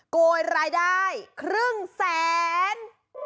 โกยรายได้ครึ่งแสน